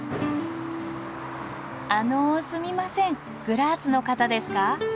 あのすみませんグラーツの方ですか？